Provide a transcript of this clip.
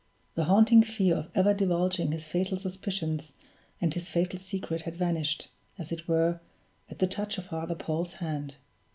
The haunting fear of ever divulging his fatal suspicions and his fatal secret had vanished, as it were, at the touch of Father Paul's hand.